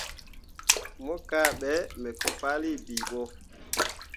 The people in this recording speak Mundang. Mo kahɓe me ko fahlii bii ɓo.